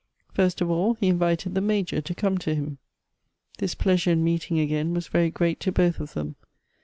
. First of all, he invited the Major to come to him. This pleasure in meeting again was very great to both of them.